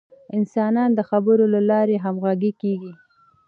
انسانان د خبرو له لارې همغږي کېږي.